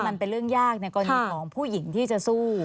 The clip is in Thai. มันเป็นเรื่องยากในกรณีของผู้หญิงที่จะสู้